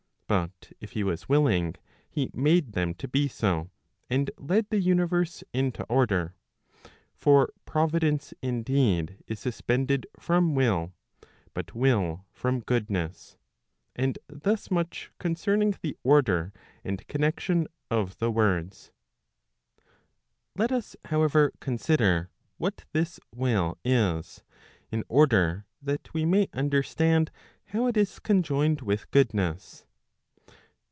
But if he was willing, he made them to be so, and led the universe into order. For providence indeed, is suspended from will, but will from goodness. And thus much concerning the order and connexion of the words. Let us however consider what this will is, in order that we may under¬ stand how it is conjoined with goodness.